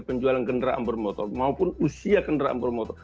penjualan kendaraan bermotor maupun usia kendaraan bermotor